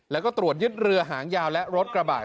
แล้วก็ตรวจยึดเรือหางยาวและรถกระบาด